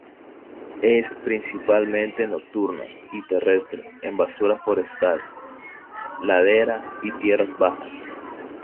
Es principalmente nocturna y terrestre, en basura forestal, ladera y tierras bajas.